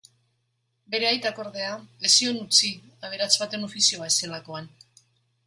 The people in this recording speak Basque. Bere aitak, ordea ez zion utzi aberats baten ofizioa ez zelakoan.